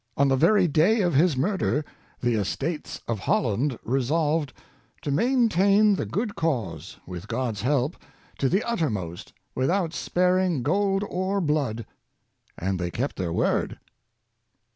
On the very day of his murder the Estates of Holland resolved " to maintain the good cause, with God's help, to the uttermost, without sparing gold or blood;" and they kept their word.